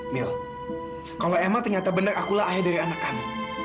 mil kalau emma ternyata benar akulah ayah dari anak kami